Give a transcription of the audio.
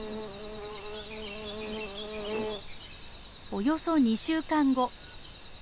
およそ２週間後。